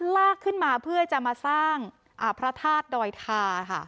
ลากขึ้นมาเพื่อจะมาสร้างพระธาตุดอยทาค่ะ